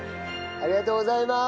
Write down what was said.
ありがとうございます！